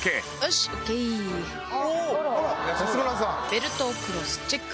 ベルトクロスチェック。